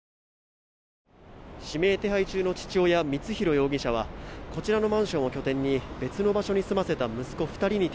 指名手配中の父親光弘容疑者はこちらのマンションを拠点に別の場所に住ませた息子２人に